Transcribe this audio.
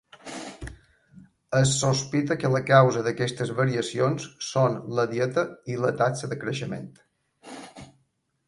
Es sospita que la causa d'aquestes variacions són la dieta i la taxa de creixement.